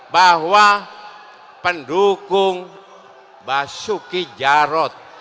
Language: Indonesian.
bahwa pendukung basuki jarod